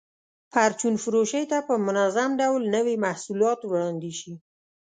پرچون فروشۍ ته په منظم ډول نوي محصولات وړاندې شي.